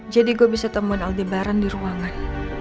jadi gue bisa temuin aldebaran di ruangan